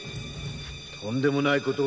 とんでもない事を